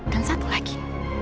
dan satu lagi